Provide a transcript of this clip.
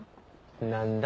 何だ？